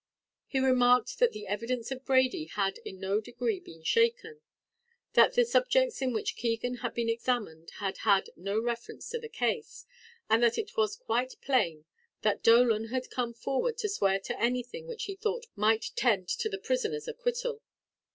He remarked that the evidence of Brady had in no degree been shaken. That the subjects in which Keegan had been examined had had no reference to the case; and that it was quite plain that Dolan had come forward to swear to anything which he thought might tend to the prisoner's acquittal.